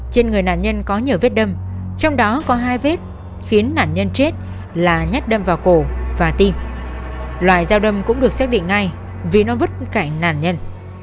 trên người nạn nhân có nhiều vết đâm trong đó có hai vết khiến nạn nhân chết là nhát đâm vào cổ và tim loại dao đâm cũng được xác định ngay vì nó vứt cả nạn nhân